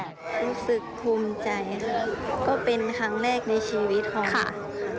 รู้สึกภูมิใจก็เป็นครั้งแรกในชีวิตเขาค่ะ